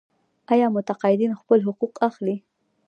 آیا متقاعدین خپل حقوق اخلي؟